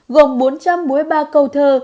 gồm bốn trăm bốn mươi ba câu thơ